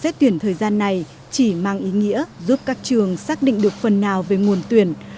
xét tuyển thời gian này chỉ mang ý nghĩa giúp các trường xác định được phần nào về nguồn tuyển